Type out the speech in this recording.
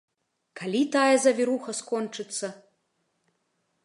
Калі тая завіруха скончыцца?